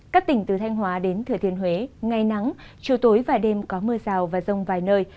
các tỉnh từ thanh hóa đến thừa thiên huế ngày nắng chiều tối và đêm có mưa rào và rông vài nơi